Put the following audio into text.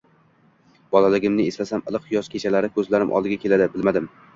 ...Bolaligimni eslasam, iliq yoz kechalari ko'z oldimga keladi. Bilmadim